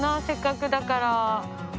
せっかくだから。